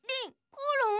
コロン？